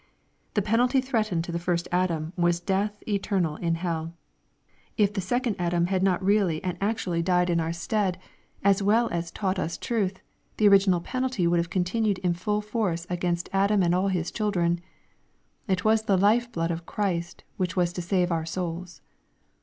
The penalty threatened to the first Adam was death eterna in hell. If the second Adam had not really and actually LUKE, CHAP. XXIII. 487 died in our stead, as well as taught us truth, the original penalty would have continued in full force against Adam and all his children. It was the life blood of Christ which was to save our souls.